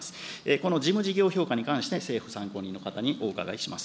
この事務事業評価に関して、政府参考人の方にお伺いします。